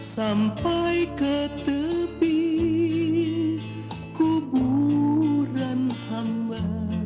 sampai ke tepi kuburan hamba